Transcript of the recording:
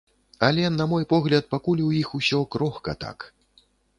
Але на мой погляд, пакуль у іх усё крохка так.